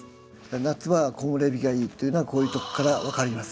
夏場は木漏れ日がいいというのはこういうとこから分かります。